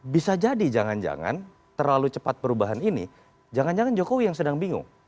bisa jadi jangan jangan terlalu cepat perubahan ini jangan jangan jokowi yang sedang bingung